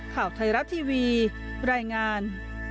ข่าวไทยรัฐทีวีรายงาน